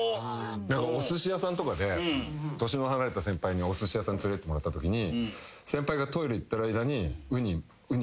おすし屋さんとかで年の離れた先輩におすし屋さん連れてってもらったときに。